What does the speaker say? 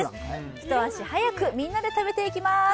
一足早く、みんなで食べていきます。